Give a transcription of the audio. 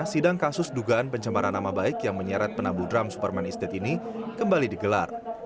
sidang kasus dugaan pencemaran nama baik yang menyeret penabuh drum superman estate ini kembali digelar